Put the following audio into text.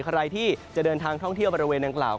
ใครที่จะเดินทางท่องเที่ยวบริเวณดังกล่าว